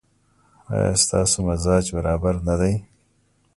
ایا ستاسو مزاج برابر نه دی؟